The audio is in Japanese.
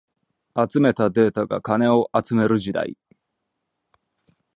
集めたデータが金を集める時代